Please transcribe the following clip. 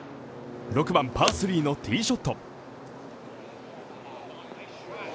６番パー３のティーショット。